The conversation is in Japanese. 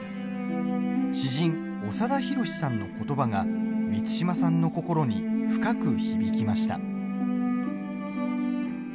詩人・長田弘さんのことばが満島さんの心に深く響きました。